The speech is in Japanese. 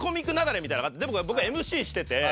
僕はＭＣしてて。